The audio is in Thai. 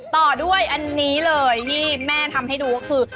ต่อด้วยอันนี้เลยที่แม่ทำให้ดูก็คือ